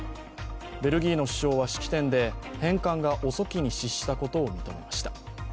ベルギーの首相は式典で、返還が遅きに失したことを認めました。